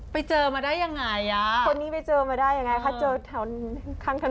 ไปเจอมาได้ยังไงคนนี้ไปเจอมาได้ยังไงค่ะเจอข้างถนน